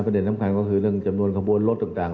เด็นสำคัญก็คือเรื่องจำนวนขบวนรถต่าง